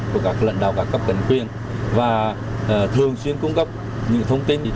của các lãnh đạo các cấp đánh quyền và thường xuyên cung cấp những thông tin